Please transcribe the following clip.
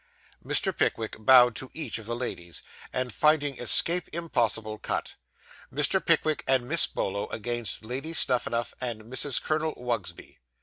Mr. Pickwick bowed to each of the ladies, and, finding escape impossible, cut. Mr. Pickwick and Miss Bolo against Lady Snuphanuph and Mrs. Colonel Wugsby.